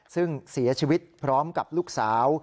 ซึ่งเสียชีวิตพร้อมกับลูกสาว